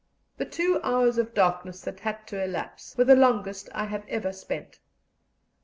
The two hours of darkness that had to elapse were the longest I have ever spent.